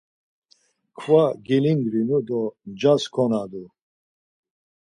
Kva gelingrinu do ncas konadu.